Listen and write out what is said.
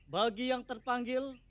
bagi yang terpanggil